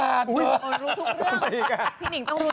พี่นิงต้องรู้ทุกอย่าง